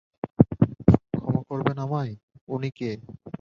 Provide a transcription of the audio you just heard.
ক্ষমা করবেন আমায়, উনি কে?